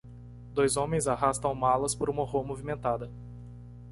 Dois homens arrastam malas por uma rua movimentada.